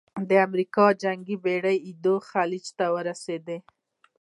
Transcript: د امریکا جنګي بېړۍ ایدو خلیج ته ورسېدې.